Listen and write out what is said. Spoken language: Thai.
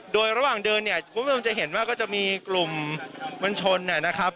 โดยระหว่างเดินเนี่ยคุณผู้ชมจะเห็นว่าก็จะมีกลุ่มมวลชนเนี่ยนะครับ